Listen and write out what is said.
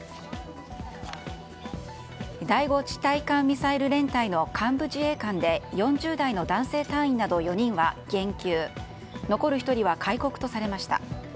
第５地対艦ミサイル連隊の幹部自衛官で４０代の男性隊員など４人は減給残る１人は戒告とされました。